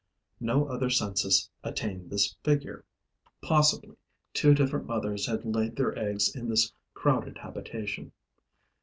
No other census attained this figure. Possibly, two different mothers had laid their eggs in this crowded habitation.